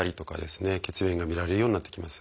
血便が見られるようになってきます。